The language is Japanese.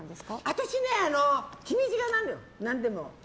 私ね、気短なのよ何でも。